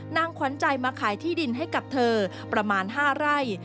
นางขวัญใจมาขายที่ดินให้กับเธอประมาณ๕ไร่